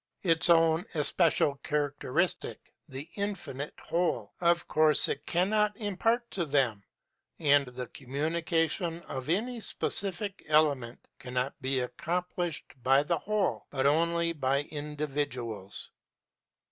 Its own especial characteristic the Infinite Whole of course it cannot impart to them; and the communication of any specific element cannot be accomplished by the Whole, but only by individuals.